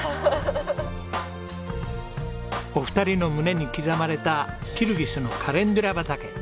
お二人の胸に刻まれたキルギスのカレンデュラ畑。